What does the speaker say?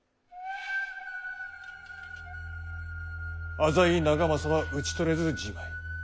浅井長政は討ち取れずじまい。